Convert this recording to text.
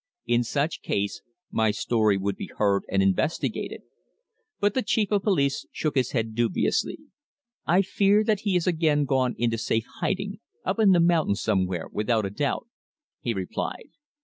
In such case my story would be heard and investigated. But the Chief of Police shook his head dubiously. "I fear that he has again gone into safe hiding up in the mountains somewhere, without a doubt," he replied.